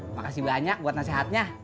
makasih banyak buat nasihatnya